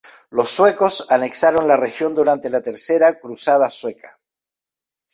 Los suecos anexaron la región durante La tercera cruzada sueca.